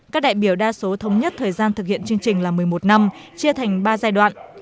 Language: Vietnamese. các đại biểu đa số thống nhất thời gian thực hiện chương trình là một mươi một năm chia thành ba giai đoạn